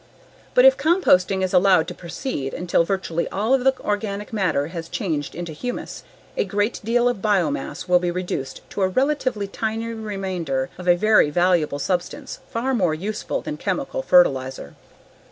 But if composting is allowed to proceed until virtually all of the organic matter has changed into humus, a great deal of biomass will be reduced to a relatively tiny remainder of a very valuable substance far more useful than chemical fertilizer.